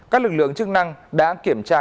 các lực lượng chức năng đã kiểm tra